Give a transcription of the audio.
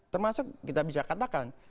termasuk kita bisa katakan